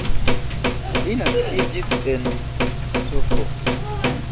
Li naskiĝis en Sf.